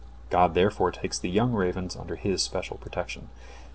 God therefore takes the young ravens under His special protection.